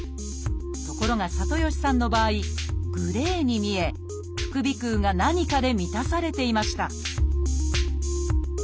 ところが里吉さんの場合グレーに見え副鼻腔が何かで満たされていました